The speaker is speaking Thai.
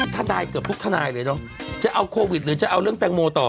ทนายเกือบทุกทนายเลยเนอะจะเอาโควิดหรือจะเอาเรื่องแตงโมต่อ